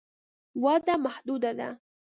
وده محدوده ده.